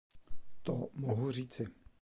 To mohu říci.